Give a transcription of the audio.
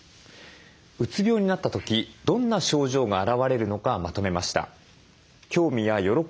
うつ病になった時どんな症状が現れるのかまとめました。